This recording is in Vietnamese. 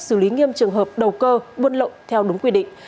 xử lý nghiêm trường hợp đầu cơ buôn lậu theo đúng quy định